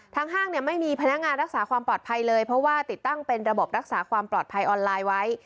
ห้างเนี่ยไม่มีพนักงานรักษาความปลอดภัยเลยเพราะว่าติดตั้งเป็นระบบรักษาความปลอดภัยออนไลน์ไว้